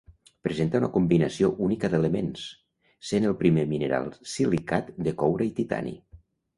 Presenta una combinació única d'elements, sent el primer mineral silicat de coure i titani.